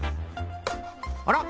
あら？